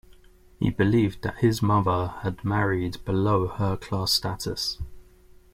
He believed that his mother had married below her class status.